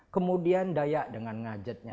kemudian dayak dengan ngajetnya